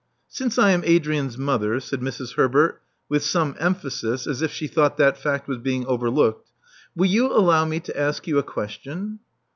Since I am Adrian's mother," said Mrs. Herbert with some emphasis, as if she thought that fact was being overlooked, will you allow me to ask you a question?"